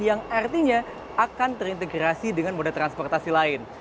yang artinya akan terintegrasi dengan moda transportasi lain